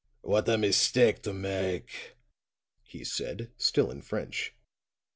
"What a mistake to make," he said, still in French.